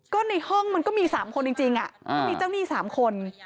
ก็ในห้องมันก็มี๓คนจริงก็มีเจ้าหนี้๓คน